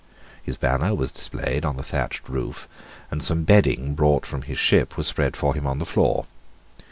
His banner was displayed on the thatched roof; and some bedding brought from his ship was spread for him on the floor.